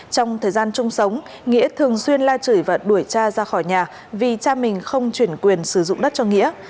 trong thời gian chung sống nghĩa thường xuyên la chửi và đuổi cha ra khỏi nhà vì cha mình không chuyển quyền sử dụng đất cho nghĩa